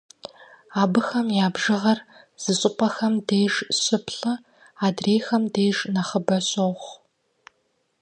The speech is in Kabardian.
Абыхэм я бжыгъэр зы щӏыпӏэхэм деж щы-плӏы, адрейхэм деж нэхъыбэ щохъу.